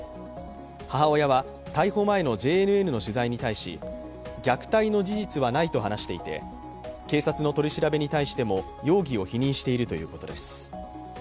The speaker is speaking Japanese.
母親は逮捕前のＪＮＮの取材に対し虐待の事実はないと話していて警察の取り調べに対しても容疑を否認しているということです。